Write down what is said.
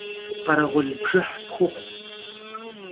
Khereğul bjjıh pxuxhu!